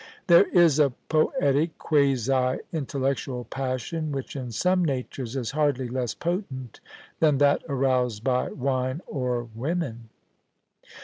There is a poetic, quasi intellectual passion which in some natures is hardly less potent than that aroused by wine or women.